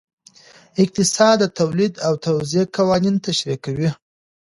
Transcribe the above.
اقتصاد د تولید او توزیع قوانین تشریح کوي.